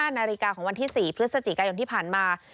นาฬิกาของวันที่๔พฤศจิกายนที่ผ่านมา